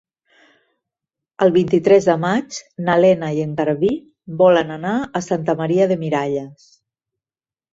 El vint-i-tres de maig na Lena i en Garbí volen anar a Santa Maria de Miralles.